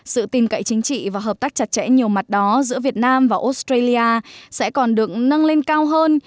sự tin cậy chính trị và hợp tác chặt chẽ nhiều mặt đó giữa việt nam và australia sẽ còn được nâng lên cao hơn